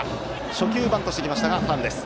初球はバントしてきましたがファウルです。